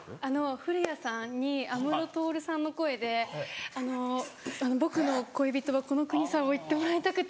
古谷さんに安室透さんの声であの「僕の恋人はこの国さ」を言ってもらいたくて。